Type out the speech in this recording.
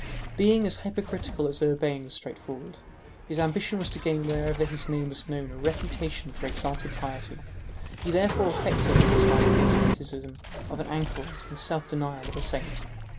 Being as hypocritical as Urbain was straightforward, his ambition was to gain wherever his name was known a reputation for exalted piety; he therefore affected in his life the asceticism of an anchorite and the self denial of a saint.